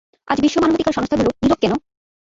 আজ বিশ্ব মানবাধিকার সংস্থাগুলো নিরব কেন?